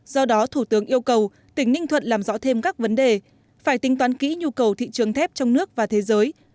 do đó thủ tướng yêu cầu tỉnh ninh thuận làm rõ thêm các vấn đề phải tính toán kỹ nhu cầu thị trường thép trong nước và thế giới